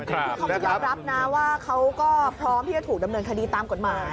คือเขาก็ยอมรับนะว่าเขาก็พร้อมที่จะถูกดำเนินคดีตามกฎหมาย